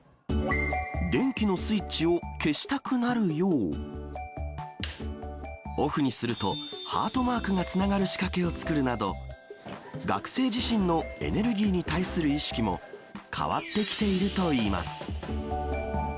電気のスイッチを消したくなるよう、オフにすると、ハートマークがつながる仕掛けを作るなど、学生自身のエネルギーに対する意識も変わってきているといいます。